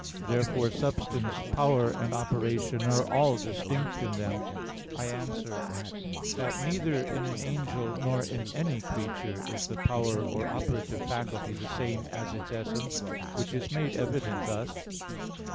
Therefore substance, power, and operation, are all distinct in them. I answer that, Neither in an angel nor in any creature, is the power or operative faculty the same as its essence: which is made evident thus.